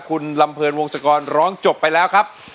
คุณลำเพลินวงศกรร้องจบไปแล้วครับ